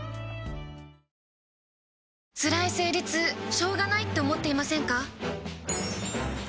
つらい生理痛しょうがないって思っていませんか？